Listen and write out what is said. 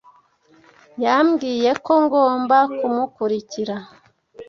Yambwiye ko ngomba kumukurikira.